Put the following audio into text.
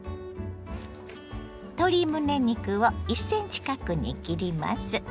鶏むね肉を１ｃｍ角に切ります。